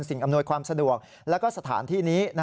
อำนวยความสะดวกและสถานที่นี้